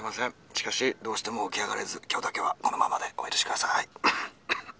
しかしどうしても起き上がれず今日だけはこのままでお許し下さい」。